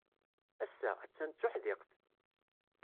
Ass-a, attan d tuḥdiqt.